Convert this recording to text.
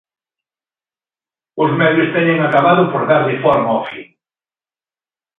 Os medios teñen acabado por darlle forma ao fin.